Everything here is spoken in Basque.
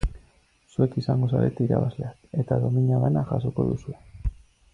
Zuek izango zarete irabazleak eta domina bana jasoko duzue.